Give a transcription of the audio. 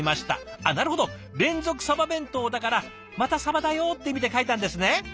あっなるほど連続さば弁当だから「またさばだよ」って意味で書いたんですね。